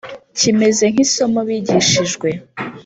kimeze nk’isomo bigishijwe.